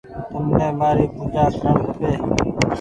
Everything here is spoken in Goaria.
تمني مآري پوجآ ڪرڻ کپي